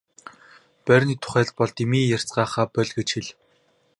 Байрны тухайд бол дэмий ярьцгаахаа боль гэж хэл.